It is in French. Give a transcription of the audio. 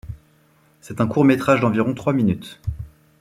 C'est un court-métrage d'environ trois minutes.